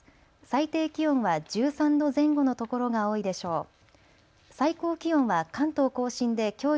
最低気温は１３度前後の所が多いでしょう。